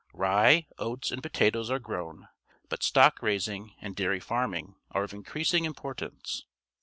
Rye, oats, and potatoes are grown, but stock raising and dairy farm ing are of increasing importance.